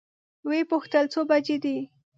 وې پوښتل څو بجې دي؟